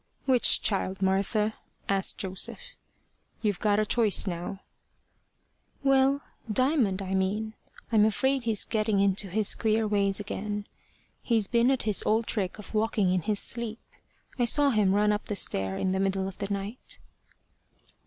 "Which child, Martha?" asked Joseph. "You've got a choice now." "Well, Diamond I mean. I'm afraid he's getting into his queer ways again. He's been at his old trick of walking in his sleep. I saw him run up the stair in the middle of the night."